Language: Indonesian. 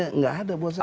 tidak ada buat saya